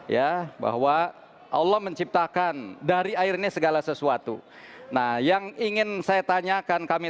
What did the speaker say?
ya bahwa allah menciptakan dari airnya segala sesuatu nah yang ingin saya tanyakan kami